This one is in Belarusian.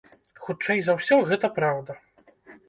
Хутчэй за ўсё, гэта праўда.